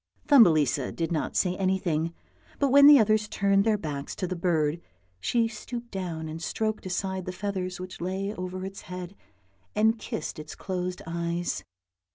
Thumbelisa did not say anything, but when the others turned their backs to the bird, she stooped down and stroked aside the feathers which lay over its head, and kissed its closed eyes.